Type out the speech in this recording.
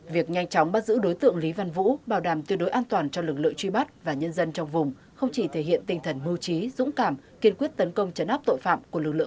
việc nhanh chóng bắt giữ đối tượng lý văn vũ bảo đảm tiêu đối an toàn cho lực lượng truy bắt và nhân dân trong vùng không chỉ thể hiện tinh thần mưu trí dũng cảm kiên quyết tấn công chấn áp tội phạm của lực lượng